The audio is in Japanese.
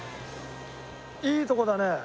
いいとこだね。